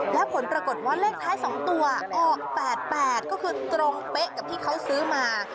แล้วผลปรากฏว่าเลขท้าย๒ตัวออก๘๘ก็คือตรงเป๊ะกับที่เขาซื้อมา